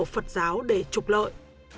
phật giáo để trục lợi